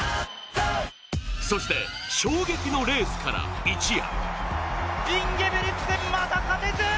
そして衝撃のレースから一夜。